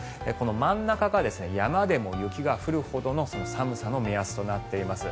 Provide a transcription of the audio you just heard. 真ん中でも山でも雪が降るほどの寒さの目安となっています。